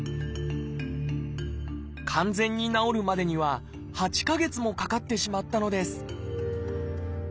完全に治るまでには８か月もかかってしまったのです